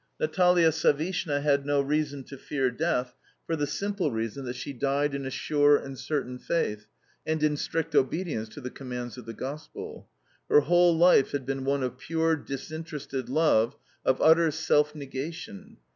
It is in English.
Natalia Savishna had no reason to fear death for the simple reason that she died in a sure and certain faith and in strict obedience to the commands of the Gospel. Her whole life had been one of pure, disinterested love, of utter self negation.